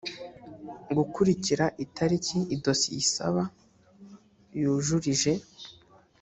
gukurikira itariki idosiye isaba yujurije